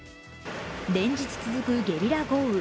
連日続くゲリラ豪雨。